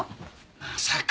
まさか。